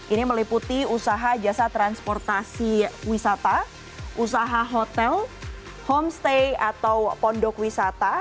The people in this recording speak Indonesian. ini meliputi usaha jasa transportasi wisata usaha hotel homestay atau pondok wisata